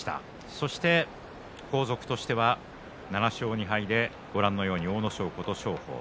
そして後続としては７勝２敗でご覧のように阿武咲、琴勝峰。